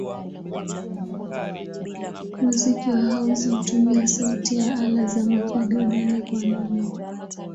Muziki wa house hutumia sauti ya ala za mapigo nane-kwa-nane.